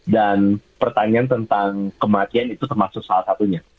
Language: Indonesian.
pertanyaan tentang kematian itu termasuk salah satunya